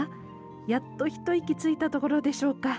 やっと一息ついたところでしょうか。